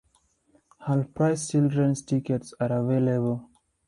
Half-priced children's tickets are available.